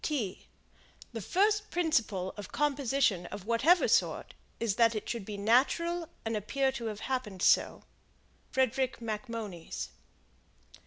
The first principle of composition of whatever sort is that it should be natural and appear to have happened so. Frederick Macmonnies.